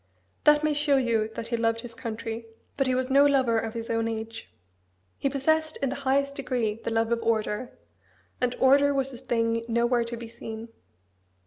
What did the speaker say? That may show you that he loved his country, but he was no lover of his own age. He possessed in the highest degree the love of order; and order was a thing nowhere to be seen.